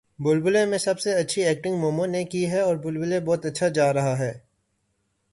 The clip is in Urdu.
بلبلے میں سب سے اچھی ایکٹنگ مومو نے کی ہے اور بلبلے بہت اچھا جا رہا ہے